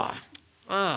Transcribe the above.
ああ。